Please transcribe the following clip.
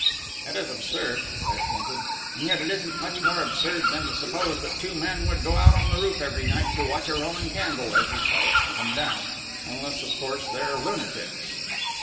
"It is absurd," I assented, "and yet it isn't much more absurd than to suppose that two men would go out on the roof every night to watch a Roman candle, as you call it, come down. Unless, of course, they're lunatics."